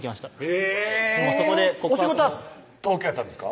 えぇお仕事は東京やったんですか？